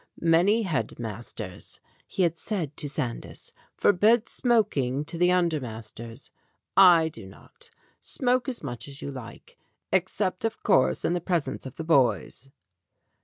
"Many head masters," he had said to Sandys, "forbid smoking to the under masters. I do not. Smoke as much as you like ex cept, of course, in the presence of the boys."